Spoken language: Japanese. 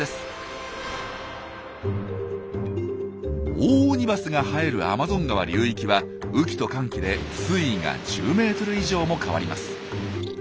オオオニバスが生えるアマゾン川流域は雨季と乾季で水位が１０ｍ以上も変わります。